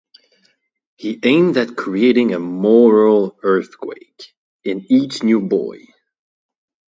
He aimed at creating a 'moral earthquake' in each new boy.